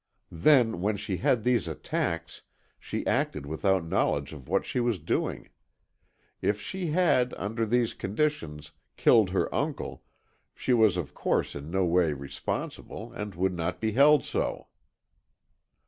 Then, when she had these attacks, she acted without knowledge of what she was doing. If she had, under these conditions, killed her uncle, she was of course in no way responsible, and would not be held so.